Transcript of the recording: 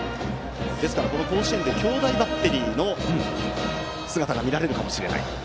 甲子園で兄弟バッテリーの姿が見られるかもしれない。